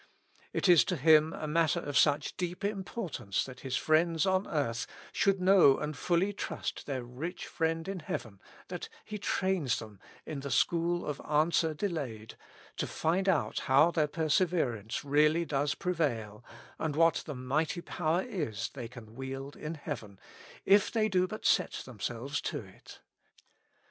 It is to Him a matter of such deep importance that His friends on earth should know and fully trust their rich Friend in heaven, that He trains them, in the school of answer delayed, to find out how their perseverance really does prevail, and what the mighty power is they can wield in heaven, if they do but set themselves to it.